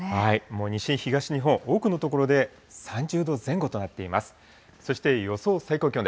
もう西、東日本、多くの所で３０度前後となっています。